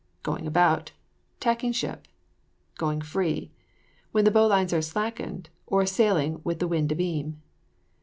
GOING ABOUT. Tacking ship. GOING FREE. When the bowlines are slackened, or sailing with the wind abeam.